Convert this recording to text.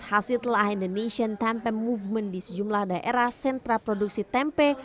hasil telah indonesian tempeng movement di sejumlah daerah sentra produksi tempe